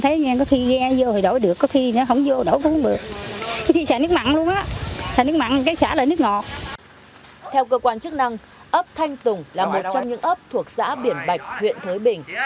theo cơ quan chức năng ấp thanh tùng là một trong những ấp thuộc xã biển bạch huyện thới bình